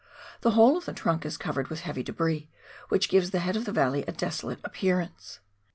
The whole of the trunk is covered with heavy debris, which gives the head of the valley a desolate appearance.